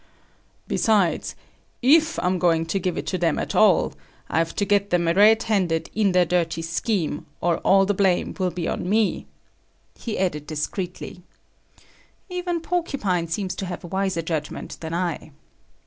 "Besides, if I'm going to give it to them at all, I've to get them red handed in their dirty scheme, or all the blame will be on me," he added discretely. Even Porcupine seems to have wiser judgment than I.